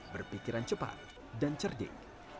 berpikiran cepat dan cerdik